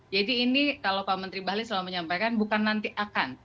jadi ini kalau pak menteri bali selalu menyampaikan bukan nanti akan